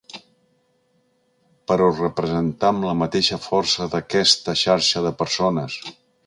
Però representam la mateixa força d’aquesta xarxa de persones.